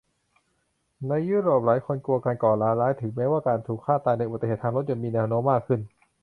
ในยุโรปหลายคนกลัวการก่อการร้ายถึงแม้ว่าการถูกฆ่าตายในอุบัติเหตุทางรถยนต์มีแนวโน้มมากขึ้น